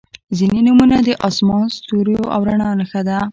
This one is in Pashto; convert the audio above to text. • ځینې نومونه د آسمان، ستوریو او رڼا نښه ده.